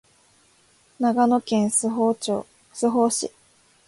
長野県諏訪市